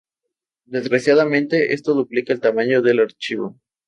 Desgraciadamente esto duplica el tamaño del archivo.